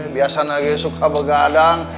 biasanya lagi suka bergadang